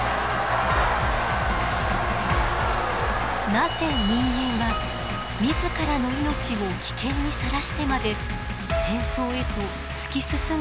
なぜ人間は自らの命を危険にさらしてまで戦争へと突き進んでしまうのか。